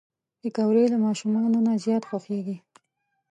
پکورې له ماشومانو نه زیات خوښېږي